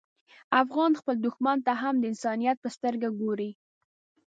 افغان خپل دښمن ته هم د انسانیت په سترګه ګوري.